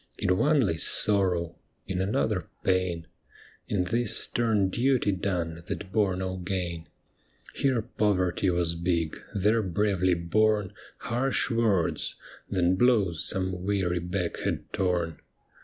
In one lay sorrow, in another pain. 'THE ME WITHIN THEE BLIND!' loi In this stern duty done that bore no gain. Here poverty was big, there bravely borne Harsh words, then blows some weary back had torn.